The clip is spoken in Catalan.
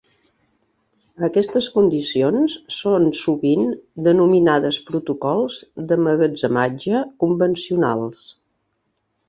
Aquestes condicions són sovint denominades protocols d'emmagatzematge "convencionals".